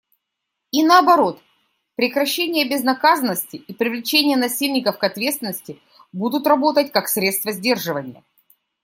И наоборот, прекращение безнаказанности и привлечение насильников к ответственности будут работать как средство сдерживания.